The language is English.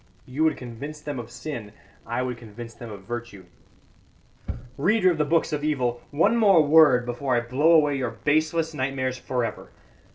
You would convince them of sin, I would convince them of virtue. "Reader of the books of evil, one more word before I blow away your baseless nightmares for ever.